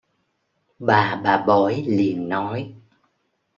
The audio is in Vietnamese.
Bà bà bói liền nói